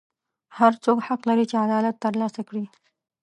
هر څوک حق لري چې عدالت ترلاسه کړي.